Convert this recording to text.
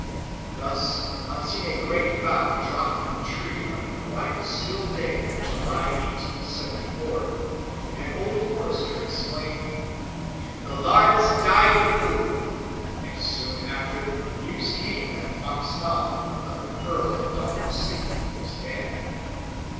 Thus, on seeing a great bough drop from the tree on a quiet, still day in July 1874, an old forester exclaimed, "The laird's deid noo!" and soon after news came that Fox Maule, eleventh Earl of Dalhousie, was dead.